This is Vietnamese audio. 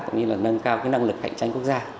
cũng như là nâng cao năng lực cạnh tranh